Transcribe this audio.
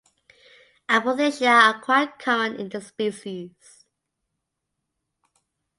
Apothecia are quite common in this species.